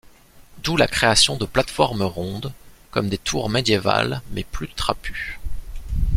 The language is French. D'où la création de plates-formes rondes, comme des tours médiévales mais plus trapues.